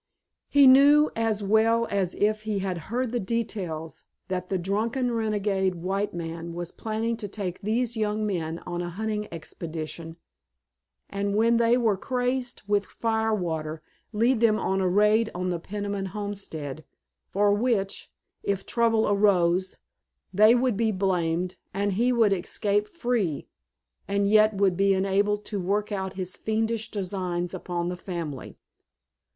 He knew as well as if he had heard the details that the drunken degenerate white man was planning to take these young men on a hunting expedition, and when they were crazed with fire water lead them on a raid on the Peniman homestead, for which, if trouble arose, they would be blamed, and he would escape free, and yet would be enabled to work out his fiendish designs upon the family.